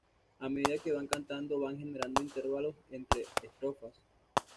A medida que van cantando, van generando intervalos entre estrofas.